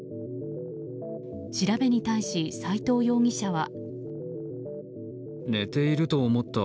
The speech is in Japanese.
調べに対し、斎藤容疑者は。